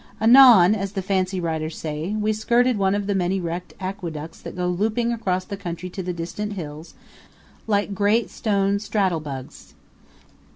Anon, as the fancy writers say, we skirted one of the many wrecked aqueducts that go looping across country to the distant hills, like great stone straddlebugs.